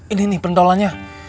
ini nih pendolanya